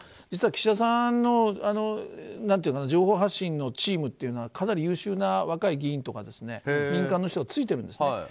実は岸田さんの情報発信のチームというのはかなり優秀な若い議員とか民間の人がついているんですね。